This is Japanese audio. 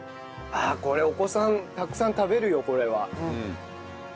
これお子さんたくさん食べるよこれは。